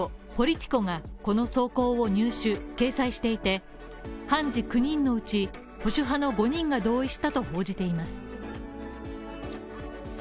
アメリカの政治サイトポリティコが、この草稿を入手掲載していて判事９人のうち、保守派の５人が同意したと報じています。